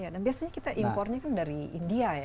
dan biasanya kita importnya kan dari india ya